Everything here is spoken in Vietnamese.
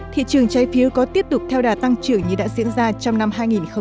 thị trường trái phiếu có tiếp tục theo đà tăng trưởng như đã diễn ra trong năm hai nghìn hai mươi